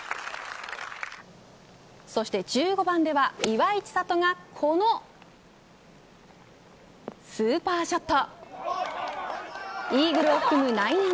そして１５番では岩井千怜がこのスーパーショット。